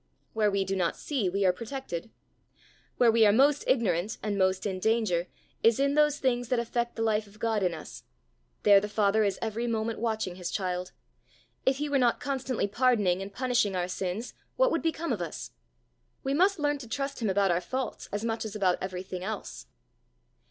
Where we do not see, we are protected. Where we are most ignorant and most in danger, is in those things that affect the life of God in us: there the Father is every moment watching his child. If he were not constantly pardoning and punishing our sins, what would become of us! We must learn to trust him about our faults as much as about everything else!"